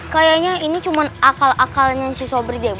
kayaknya ini cuma akal akalnya si sobri deh